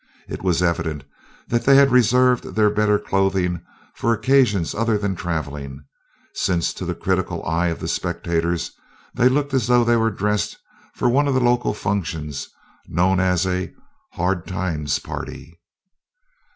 It was evident that they had reserved their better clothing for occasions other than traveling, since to the critical eyes of the spectators they looked as though they were dressed for one of the local functions known as a "Hard Times Party."